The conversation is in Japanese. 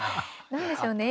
何でしょうね